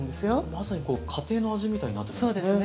まさに家庭の味みたいになってるんですね。